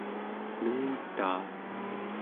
nengtaa